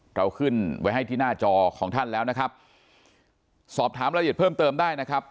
เราขึ้นไว้ให้ที่หน้าจอของท่านแล้วนะครับสอบถามรายละเอียดเพิ่มเติมได้นะครับ